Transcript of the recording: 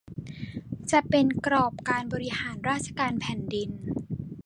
จะเป็นกรอบการบริหารราชการแผ่นดิน